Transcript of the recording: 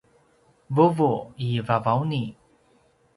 vuvu i Vavauni